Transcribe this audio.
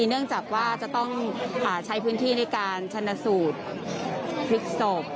เนื่องจากว่าจะต้องใช้พื้นที่ในการชนะสูตรพลิกศพ